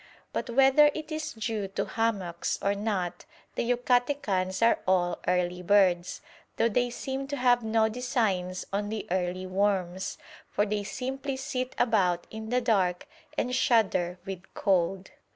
But whether it is due to hammocks or not the Yucatecans are all early birds, though they seem to have no designs on the early worms; for they simply sit about in the dark and shudder with cold.